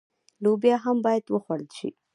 لوبیا هم باید وخوړل شي.